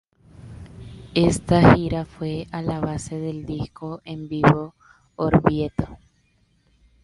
Esta gira fue a la base del disco en vivo "Orvieto".